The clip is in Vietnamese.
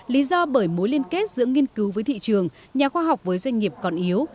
lý do bởi mối liên kết giữa nghiên cứu với thị trường nhà khoa học với doanh nghiệp còn yếu